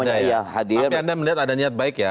tapi anda melihat ada niat baik ya